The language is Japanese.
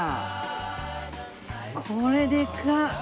これでかっ！